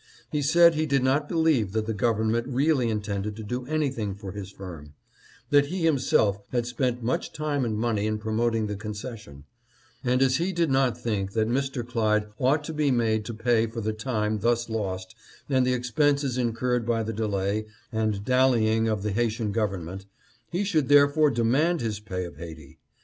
He said he did not believe that the government really intended to do anything for his firm ; that he him self had spent much time and money in promoting the concession ; and as he did not think that Mr. Clyde ought to be made to pay for the time thus lost and the expense incurred by the delay and dallying of the Hai tian Government, he should therefore demand his pay of Haiti.